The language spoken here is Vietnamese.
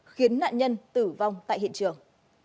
khiến nạn nhân tử vong tại hiện trường